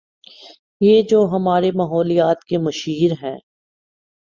یہ جو ہمارے ماحولیات کے مشیر ہیں۔